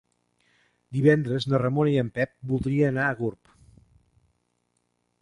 Divendres na Ramona i en Pep voldria anar a Gurb.